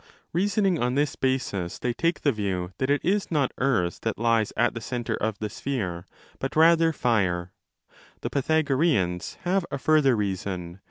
Reasoning on this basis they take the view that it is not earth that lies at the centre of the sphere, but rather 293" fire. The Pythagoreans have a further reason.